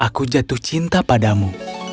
aku jatuh cinta padamu